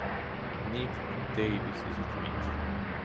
ნიკ დეივისის თქმით.